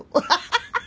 ハハハハ！